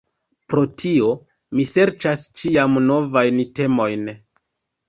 Pro tio mi serĉas ĉiam novajn temojn.